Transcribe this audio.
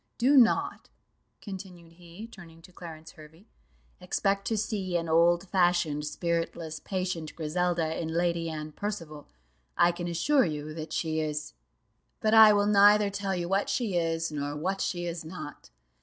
Do not," continued he, turning to Clarence Hervey, "expect to see an old fashioned, spiritless, patient Griselda, in Lady Anne Percival: I can assure you that she is but I will neither tell you what she is, nor what she is not.